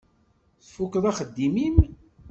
Tfukkeḍ axeddim-im?